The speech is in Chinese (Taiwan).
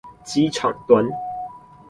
機場端